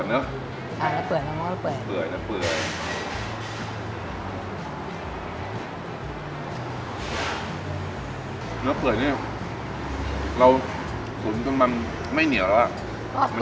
เนื้อเปื่อยนี่เราตุ๋นจนมันไม่เหนียวแล้ว